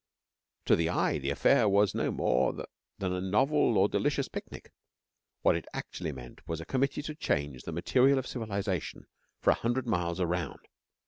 To the eye the affair was no more than a novel or delicious picnic. What it actually meant was a committee to change the material of civilisation for a hundred miles around.